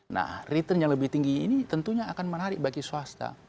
nah return yang lebih tinggi ini tentunya akan menarik bagi swasta